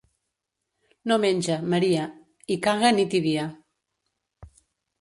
No menja, Maria, i caga nit i dia.